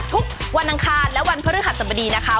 ทุกวันอังคารและวันพฤหัสสบดีนะคะ